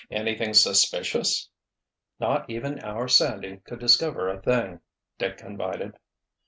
Anything suspicious?" "Not even our Sandy could discover a thing," Dick confided.